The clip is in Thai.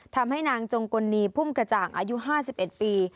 ทำให้นางจงกลนีพุ่มกระจ่างอายุ๕๑ปี